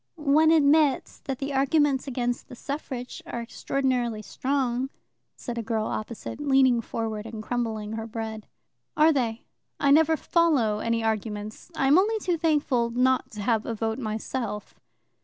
"One admits that the arguments against the suffrage are extraordinarily strong," said a girl opposite, leaning forward and crumbling her bread. "Are they? I never follow any arguments. I am only too thankful not to have a vote myself."